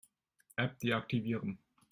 App deaktivieren.